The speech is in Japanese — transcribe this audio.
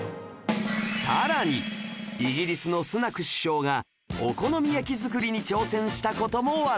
さらにイギリスのスナク首相がお好み焼き作りに挑戦した事も話題に